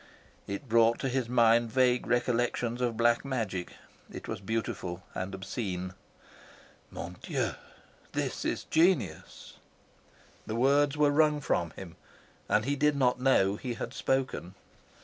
It brought to his mind vague recollections of black magic. It was beautiful and obscene. ", this is genius." The words were wrung from him, and he did not know he had spoken.